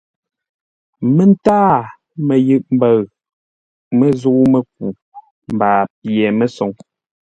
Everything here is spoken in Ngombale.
Məntâa məyʉʼ mbəu məzəu-mə́ku mbaa pye məsoŋ.